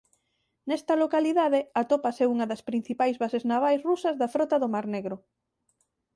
Nesta localidade atópase unha das principais bases navais rusas da Frota do Mar Negro.